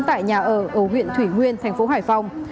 tại nhà ở ở huyện thủy nguyên thành phố hải phòng